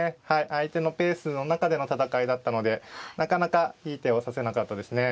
相手のペースの中での戦いだったのでなかなかいい手を指せなかったですね。